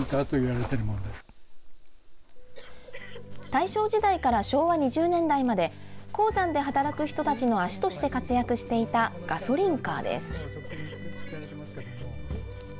大正時代から昭和２０年代まで鉱山で働く人たちの足として活躍していたガソリンカーです。